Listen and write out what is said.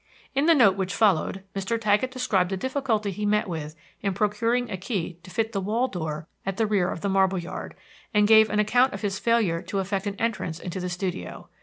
In the note which followed, Mr. Taggett described the difficulty he met with in procuring a key to fit the wall door at the rear of the marble yard, and gave an account of his failure to effect an entrance into the studio.